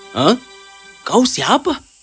huh kau siapa